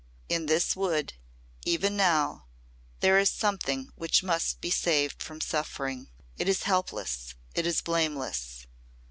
"In this Wood even now there is Something which must be saved from suffering. It is helpless it is blameless.